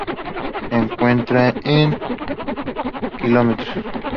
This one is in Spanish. Se encuentra en el km.